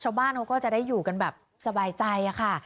ชาวบ้านเขาก็จะได้อยู่กันแบบสบายใจค่ะ